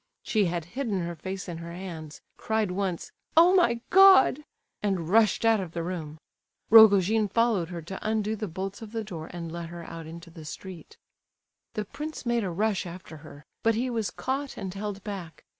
She had hidden her face in her hands, cried once "Oh, my God!" and rushed out of the room. Rogojin followed her to undo the bolts of the door and let her out into the street. The prince made a rush after her, but he was caught and held back.